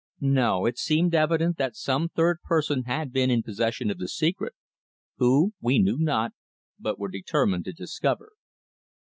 No, it seemed evident that some third person had been in possession of the secret. Who, we knew not, but were determined to discover.